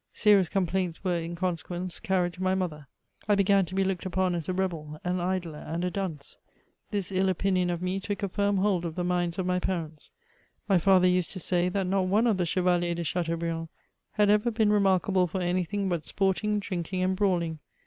Serious complaints were, in consequence, carried to my mother. I began to be looked upon as a rebel, an idler, and a dunce. This ill opinion of me took a firm hold of the minds of my parents. My father used to say, that not one of the Chevaliers de Chateaubriand had ever been remarkable foir anything but sporting, drinking and brawling.